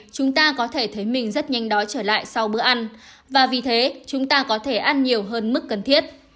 chúng ta có thể thấy mình rất nhanh đói trở lại sau bữa ăn và vì thế chúng ta có thể ăn nhiều hơn mức cần thiết